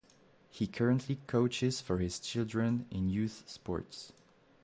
He currently coaches for his children in youth sports.